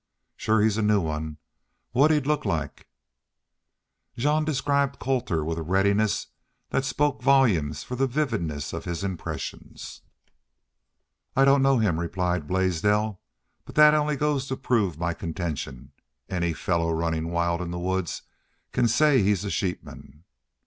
Shore he's a new one. What'd he look like?" Jean described Colter with a readiness that spoke volumes for the vividness of his impressions. "I don't know him," replied Blaisdell. "But that only goes to prove my contention any fellow runnin' wild in the woods can say he's a sheepman."